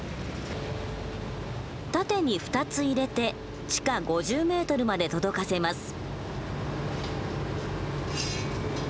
縦に２つ入れて地下５０ｍまで届かせます。